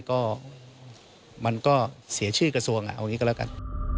ก็มันก็เสียชื่อกระทรวงเอาอย่างนี้ก็แล้วกัน